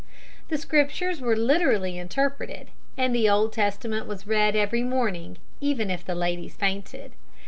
The Scriptures were literally interpreted, and the Old Testament was read every morning, even if the ladies fainted.